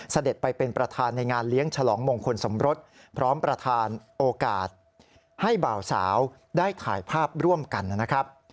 เสด็จไปเป็นประธานในงานเลี้ยงฉลองมงคลสมรสพร้อมประธานโอกาสให้บ่าวสาวได้ถ่ายภาพร่วมกันนะครับ